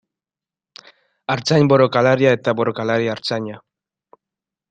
Artzain borrokalaria eta borrokalari artzaina.